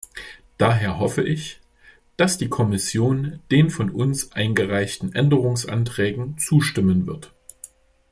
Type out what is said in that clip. Daher hoffe ich, dass die Kommission den von uns eingereichten Änderungsanträgen zustimmen wird.